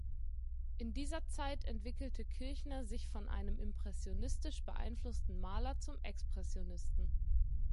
In dieser Zeit entwickelte Kirchner sich von einem impressionistisch beeinflussten Maler zum Expressionisten.